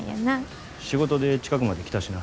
仕事で近くまで来たしな。